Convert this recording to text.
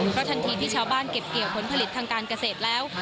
เพราะทันทีที่ชาวบ้านเก็บเกี่ยวผลผลิตทางการเกษตรแล้ว